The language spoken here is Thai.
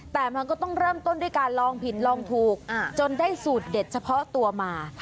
แต่มันก็ต้องเริ่มต้นด้วยการลองผิดลองถูกจนได้สูตรเด็ดเฉพาะตัวมา